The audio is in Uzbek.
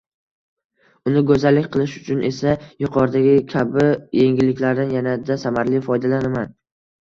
Uni goʻzal qilish uchun esa yuqoridagi kabi yengilliklardan yanada samarali foydalanaman.